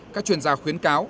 các chuyên gia khuyến cáo